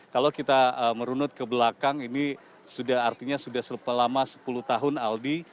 kalau kita merunut ke belakang ini artinya sudah selama sepuluh tahun aldi